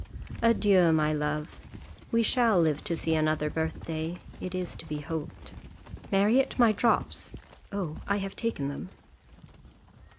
Adieu! my love: we shall live to see another birthday, it is to be hoped. Marriott, my drops. Oh, I have taken them."